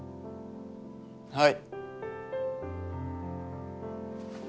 はい。